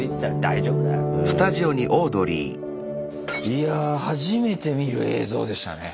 いや初めて見る映像でしたね。